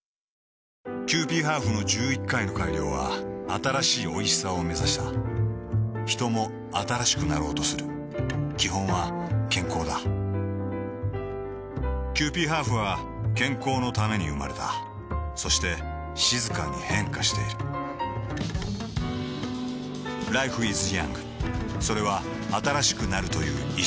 キユーピーハーフの１１回の改良は新しいおいしさをめざしたヒトも新しくなろうとする基本は健康だキユーピーハーフは健康のために生まれたそして静かに変化しているＬｉｆｅｉｓｙｏｕｎｇ．それは新しくなるという意識